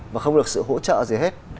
và không được sự hỗ trợ gì hết